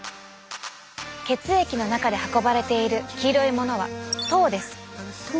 血液の中で運ばれている黄色いものは糖です。